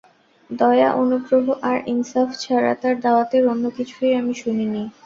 দয়া, অনুগ্রহ আর ইনসাফ ছাড়া তাঁর দাওয়াতের অন্য কিছুই আমি শুনি নি।